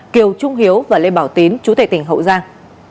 kiều trung hiếu và lê bảo tín chú tệ tỉnh hậu giang